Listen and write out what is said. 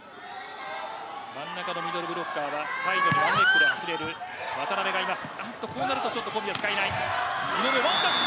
真ん中のミドルブロッカーはサイドにワンレッグで走れる渡邊がいます。